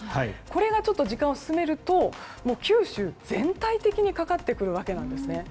これが時間を進めると九州全体的にかかってくるわけなんですね。